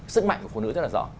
sức mạnh của phụ nữ rất là rõ